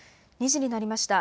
２時になりました。